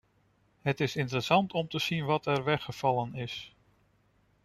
Het is interessant om te zien wat er weggevallen is.